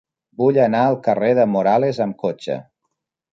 Vull anar al carrer de Morales amb cotxe.